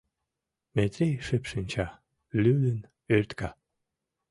Метрий шып шинча, лӱдын ӧртка.